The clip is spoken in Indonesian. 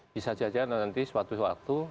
bisa saja nanti suatu suatu